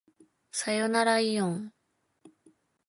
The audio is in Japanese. さよならいおん